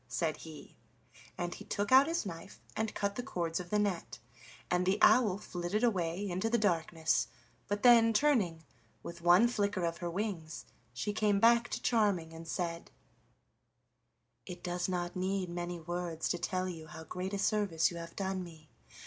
said he, and he took out his knife and cut the cords of the net, and the owl flitted away into the darkness, but then turning, with one flicker of her wings, she came back to Charming and said: "It does not need many words to tell you how great a service you have done me.